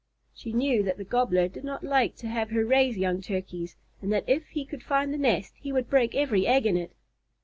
She knew that the Gobbler did not like to have her raise young Turkeys, and that if he could find the nest, he would break every egg in it.